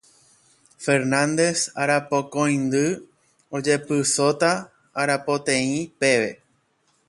Fernández Arapokõindy ojepysóta arapoteĩ peve.